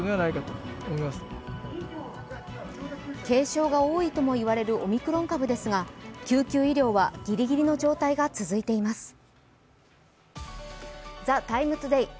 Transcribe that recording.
軽症が多いともいわれるオミクロン株ですが、救急医療はぎりぎりの状態が続いています。